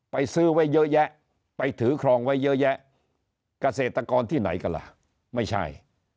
ซื้อไว้เยอะแยะไปถือครองไว้เยอะแยะเกษตรกรที่ไหนกันล่ะไม่ใช่